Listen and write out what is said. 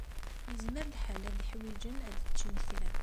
Yezmer lḥal ad ḥwijen ad ččen kra.